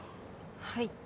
はい。